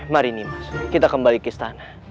mari nimas kita kembali ke istana